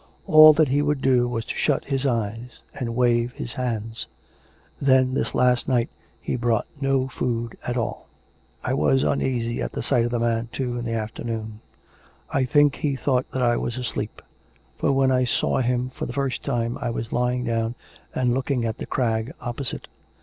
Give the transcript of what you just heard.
All that he would do was to shut his eyes and wave his hands. Then this last night he brought no food at all. " I was uneasy at the sight of the man, too, in the after noon. I think he thought that I was asleep; for when I saw him for the first time I was lying down and looking at the crag opposite.